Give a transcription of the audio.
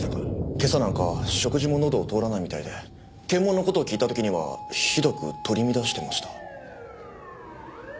今朝なんか食事ものどを通らないみたいで検問の事を聞いた時にはひどく取り乱してました。